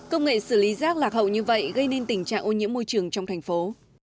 công nghệ xử lý rác lạc hậu như vậy gây nên tình trạng ô nhiễm môi trường trong thành phố